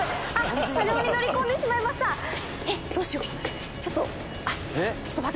車両に乗り込んでしまいましたどうしよう。